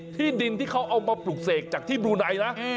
ที่ดินที่เขาเอามาปลูกเสกจากที่บลูไนนะ